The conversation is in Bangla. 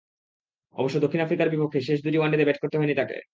অবশ্য দক্ষিণ আফ্রিকার বিপক্ষে শেষ দুটি ওয়ানডেতে ব্যাট করতে হয়নি তাঁকে।